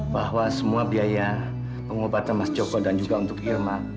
bahwa semua biaya pengobatan mas joko dan juga untuk irma